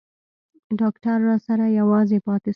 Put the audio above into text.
ډاکتر راسره يوازې پاته سو.